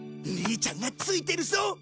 兄ちゃんがついてるぞ！